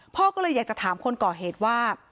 พ่อก็เลยอยากจะถามคนก่อเหตุว่า